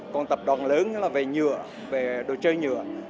còn tập đoàn lớn là về nhựa về đồ chơi nhựa